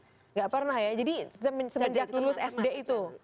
tidak pernah ya jadi semenjak lulus sd itu